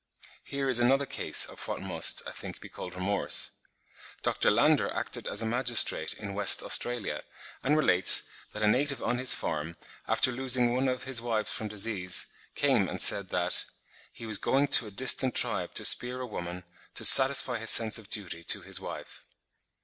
Here is another case of what must, I think, be called remorse. Dr. Landor acted as a magistrate in West Australia, and relates (28. 'Insanity in Relation to Law,' Ontario, United States, 1871, p. 1.), that a native on his farm, after losing one of his wives from disease, came and said that, "he was going to a distant tribe to spear a woman, to satisfy his sense of duty to his wife.